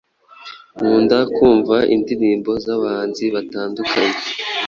Nkunda kumva indirimbo zabahanzi batandukanye